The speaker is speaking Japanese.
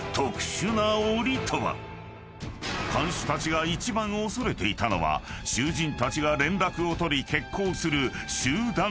［看守たちが一番恐れていたのは囚人たちが連絡を取り決行する集団脱獄］